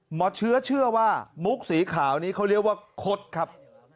หมอเชื้อเชื่อว่ามุกสีขาวนี้เขาเรียกว่าคดครับ